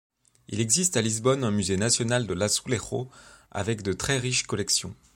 Il existe à Lisbonne un musée national de l'Azulejo avec de très riches collections.